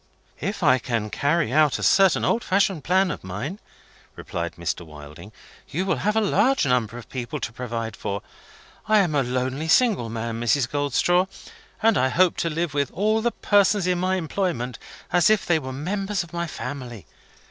"If I can carry out a certain old fashioned plan of mine," replied Mr. Wilding, "you will have a large number to provide for. I am a lonely single man, Mrs. Goldstraw; and I hope to live with all the persons in my employment as if they were members of my family.